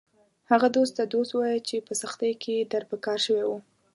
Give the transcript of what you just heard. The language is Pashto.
هغه دوست ته دوست ووایه چې په سختۍ کې در په کار شوی و